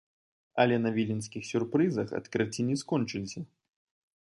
Але на віленскіх сюрпрызах адкрыцці не скончыліся.